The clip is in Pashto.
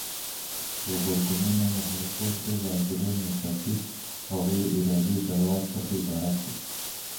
غبرګون محرکو ته د عضلو له ناڅاپي او غیر ارادي ځواب څخه عبارت دی.